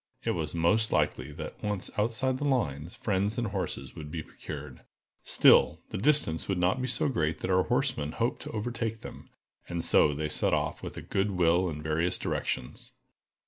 It was most likely that, once outside the lines, friends and horses would be procured. Still, the distance would not be so great but that our horsemen hoped to overtake them, and so they set off with a good will in various directions.